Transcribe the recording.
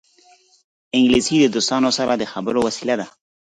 انګلیسي د دوستانو سره د خبرو وسیله ده